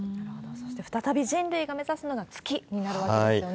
そして再び人類が目指すのが月になるわけですよね。